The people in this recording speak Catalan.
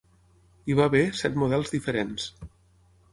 Hi va haver set models diferents.